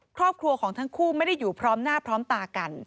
ครอบครัวของทั้งคู่ไม่ได้อยู่พร้อมหน้าพร้อมตากัน